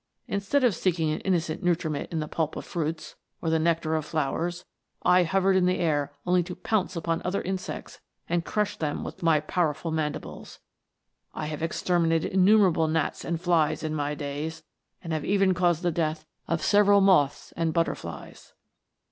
Instead of seeking an innocent nutriment in the pulp of fruits, or the nectar of flowers, I hovered in the air only to pounce upon other insects and crush them with my powerful mandibles. I have exterminated innumerable gnats and flies in my latter days, and have even caused the death of several moths and butterflies."